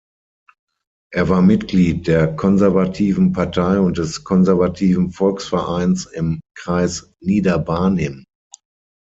Er war Mitglied der konservativen Partei und des konservativen Volksvereins im Kreis Niederbarnim.